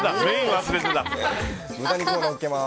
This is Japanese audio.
豚肉をのっけます。